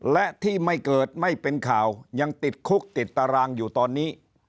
และที่ไม่เกิดไม่เป็นข่าวยังติดคุกติดตารางอยู่ตอนนี้